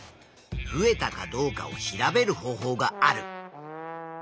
増えたかどうかを調べる方法がある。